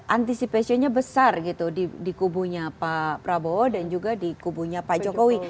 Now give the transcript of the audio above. antisipasinya besar gitu di kubunya pak prabowo dan juga di kubunya pak jokowi